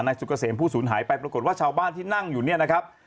สุกเกษมผู้สูญหายไปปรากฏว่าชาวบ้านที่นั่งอยู่เนี่ยนะครับ